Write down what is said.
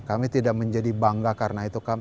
kami tidak menjadi bangga karena itu